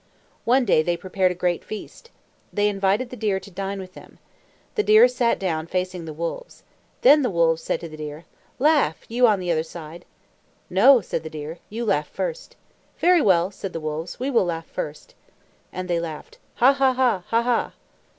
One day they prepared a great feast. They invited the deer to dine with them. The deer sat down facing the wolves. Then the wolves said to the deer, "Laugh, you on the other side!" "No," said the deer. "You laugh first." "Very well," said the wolves. "We will laugh first." And they laughed, "Ha, ha, ha, ha, ha!"